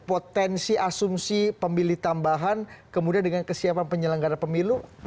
potensi asumsi pemilih tambahan kemudian dengan kesiapan penyelenggara pemilu